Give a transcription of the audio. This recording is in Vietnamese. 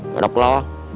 rồi đọc lo